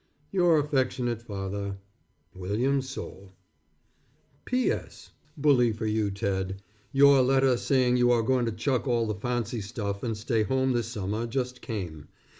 Your affectionate father, WILLIAM SOULE. P. S. Bully for you, Ted. Your letter saying you are going to chuck all the fancy stuff and stay home this summer just came.